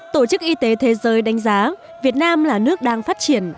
tổ chức y tế thế giới đánh giá việt nam là nước đang phát triển